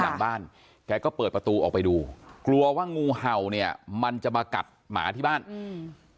หลังบ้านแกก็เปิดประตูออกไปดูกลัวว่างูเห่าเนี้ยมันจะมากัดหมาที่บ้านอืม